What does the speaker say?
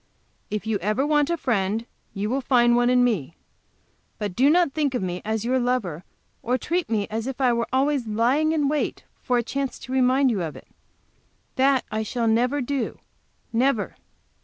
If you ever want a friend you will find one in me. But do not think of me as your lover, or treat me as if I were always lying in wait for a chance to remind you of it. That I shall never do, never."